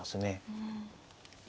うん。